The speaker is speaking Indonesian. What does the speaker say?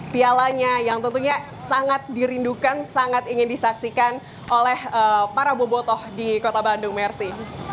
pialanya yang tentunya sangat dirindukan sangat ingin disaksikan oleh para bobotoh di kota bandung mersi